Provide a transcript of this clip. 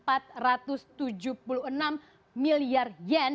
hanya dari empat ratus tujuh puluh enam miliar yen